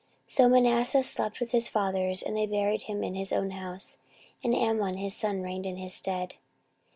14:033:020 So Manasseh slept with his fathers, and they buried him in his own house: and Amon his son reigned in his stead.